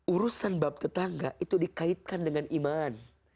urusan bab tetangga itu dikaitkan dengan iman